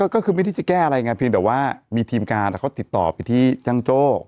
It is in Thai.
ก็คือไม่ได้จะแก้อะไรไงเพียงแต่ว่ามีทีมงานเขาติดต่อไปที่จังโจ้